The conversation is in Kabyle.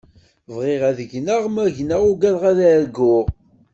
Bɣiɣ ad gneɣ, ma gneɣ ugadeɣ ad arguɣ.